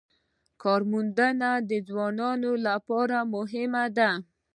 د کار موندنه د ځوانانو لپاره مهمه ده